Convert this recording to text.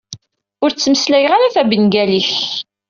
Ur ttmeslayeɣ ara tabengalit.